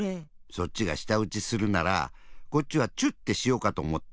そっちがしたうちするならこっちはチュッってしようかとおもって。